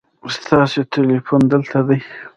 ستاسو تلیفون دلته دی